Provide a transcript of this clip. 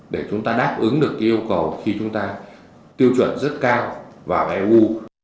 để chúng ta đáp ứng được yêu cầu khi chúng ta tiêu chuẩn rất cao vào eu